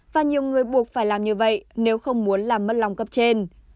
và nhiều người buộc phải làm như vậy nếu không muốn làm mất lòng cấp trên